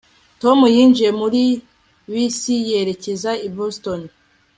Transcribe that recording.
tom yinjiye muri bisi yerekeza i boston